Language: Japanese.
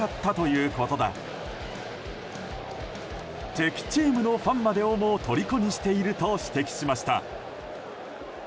敵チームのファンまでをもとりこにしていると指摘しました。